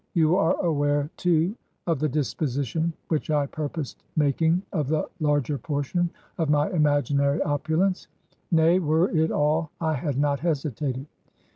You are aware, too, of the disposition which I purposed making of the larger portion of my imaginary opulence; nay, were it all, I had not hesitated.